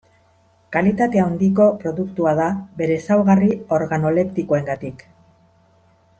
Kalitate handiko produktua da bere ezaugarri organoleptikoengatik.